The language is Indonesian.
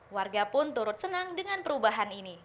warga pun turut senang dengan perubahan ini